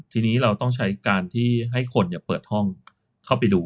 ทีนี้เราต้องใช้การที่ให้คนเปิดห้องเข้าไปดู